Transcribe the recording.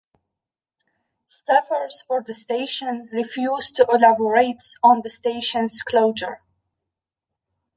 Staffers for the station refused to elaborate on the station's closure.